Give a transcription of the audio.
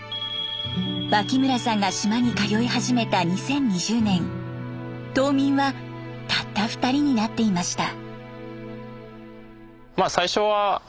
脇村さんが島に通い始めた２０２０年島民はたった２人になっていました。